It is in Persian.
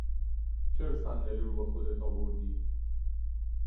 چرا صندلی رو با خودت آوردی؟